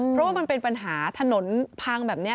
เพราะว่ามันเป็นปัญหาถนนพังแบบนี้